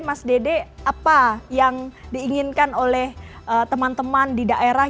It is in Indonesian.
mas dede apa yang diinginkan oleh teman teman di daerah